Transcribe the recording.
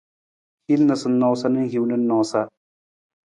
Hin noosanoosa na hiwung na noosanoosa.